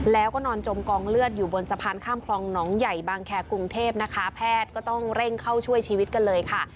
แล้วก็นอนจมกองเลือดอยู่บนสะพานข้ามคลองหนองใหญ่บางแคร์กรุงเทพนะคะแพทย์ก็ต้องเร่งเข้าช่วยชีวิตกันเลยค่ะ